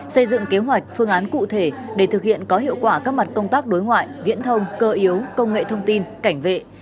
xây dựng kế hoạch phương án cụ thể để thực hiện có hiệu quả các mặt công tác đối ngoại viễn thông cơ yếu công nghệ thông tin cảnh vệ